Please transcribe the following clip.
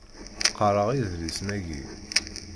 Qqaṛeɣ idlisen-agi.